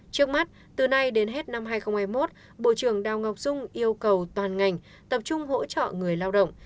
trước mắt từ nay đến hết năm hai nghìn hai mươi một bộ trưởng đào ngọc dung yêu cầu toàn ngành tập trung hỗ trợ người lao động